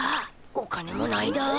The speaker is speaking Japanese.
お金もないだ。